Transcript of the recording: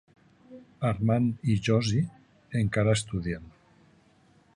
Armand i Josie encara estudien.